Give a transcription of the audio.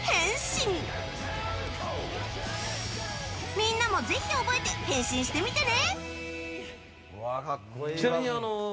みんなも、ぜひ覚えて変身してみてね！